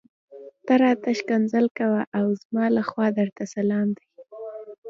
ته راته ښکنځل کوه او زما لخوا درته سلام دی.